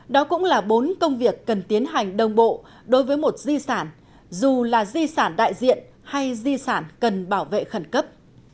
đó cũng là bốn công việc cần tiến hành đồng bộ đối với một di sản dù là di sản đại diện hay di sản cần bảo vệ khẩn cấp